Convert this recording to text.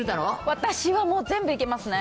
私はもう全部いけますね。